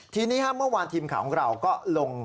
ทีนี้เมื่อวานทีมข่าวของเราก็ลง